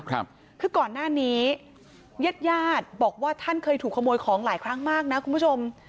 คือก่อนหน้านี้ญาติญาติบอกว่าท่านเคยถูกขโมยของหลายครั้งมากนะคุณผู้ชม